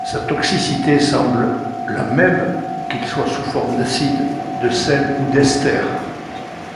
Sa toxicité semble la même qu'il soit sous forme d'acide, de sels ou d'esters.